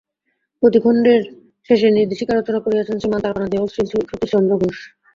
প্রতিখণ্ডের শেষে নির্দেশিকা রচনা করিয়াছেন শ্রীমান তারকনাথ দে ও শ্রী সতীশ চন্দ্র ঘোষ।